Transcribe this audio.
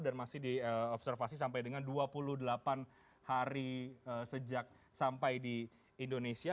dan masih diobservasi sampai dengan dua puluh delapan hari sejak sampai di indonesia